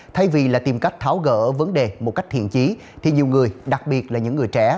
thay vì là tìm cách tháo gỡ vấn đề một cách thiện trí thì nhiều người đặc biệt là những người trẻ